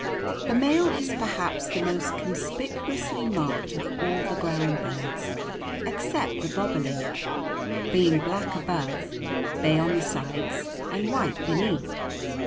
The male is perhaps the most conspicuously marked of all the ground birds except the bobolink, being black above, bay on the sides, and white beneath.